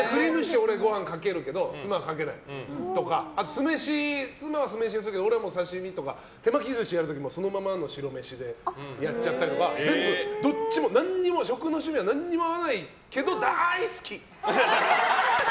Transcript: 俺、ご飯にかけるけど妻はかけないとかあと酢飯、妻は酢飯でいいけど俺は刺身とか手巻き寿司やる時もそのままの白飯でやっちゃったり全部、食の趣味は何も合わないけど、だい好き！